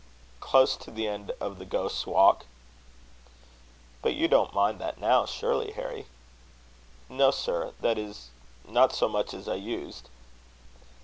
"Close to the end of the Ghost's Walk." "But you don't mind that now, surely, Harry?" "No, sir; that is, not so much as I used."